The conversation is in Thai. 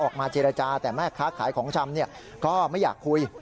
ออกมาเจรจาแต่แม่ค้าขายของชำก็ไม่อยากคุย